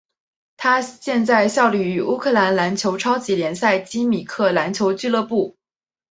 他现在效力于乌克兰篮球超级联赛基米克篮球俱乐部。